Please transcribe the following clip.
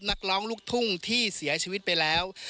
นักร้องลูกทุ่งที่เสียชีวิตไปแล้ว